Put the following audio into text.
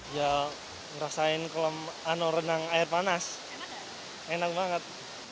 ya ngerasain kalau renang air panas enak banget